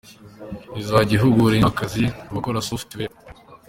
Izajya ihugura inahe akazi abakora software.